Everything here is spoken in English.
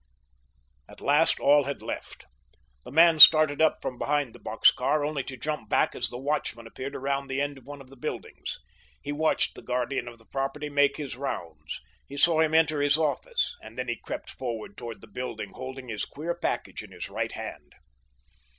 At last all had left. The man started from behind the box car, only to jump back as the watchman appeared around the end of one of the buildings. He watched the guardian of the property make his rounds; he saw him enter his office, and then he crept forward toward the building, holding his queer package in his right hand.